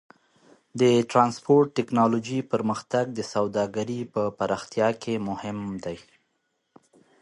د ټرانسپورټ ټیکنالوجۍ پرمختګ د سوداګرۍ په پراختیا کې مهم دی.